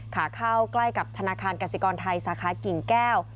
ขาเข้าใกล้กับธนาคารกสิกรไทยสาขากิ่งแก้ว